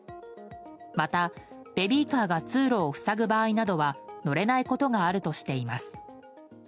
また、ベビーカーが通路を塞ぐ場合などは乗れないことがあるとしています。